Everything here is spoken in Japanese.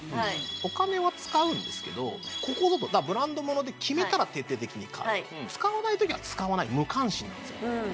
お金は使うんですけどここぞとブランド物で決めたら徹底的に買う使わない時は使わない無関心なんですうん